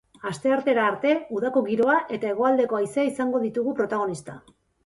Asteartera arte, udako giroa eta hegoaldeko haizea izango ditugu protagonista.